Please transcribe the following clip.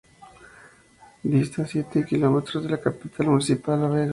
Dista siete kilómetros de la capital municipal, La Vega.